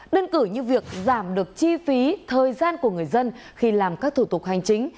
đơn cử như việc giảm được chi phí thời gian của người dân khi làm các thủ tục hành chính